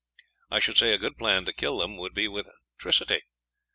I should say a good plan to kill them would be with 'tricity.